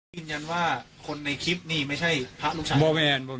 ยืนยันว่าคนในทริปนี่ไม่ใช่พลาดลูกชาติ